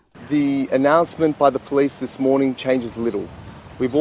pengumuman oleh polisi pagi ini tidak berubah